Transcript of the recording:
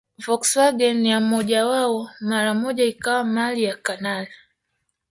Volkswagen ya mmoja wao mara moja ikawa mali ya kanali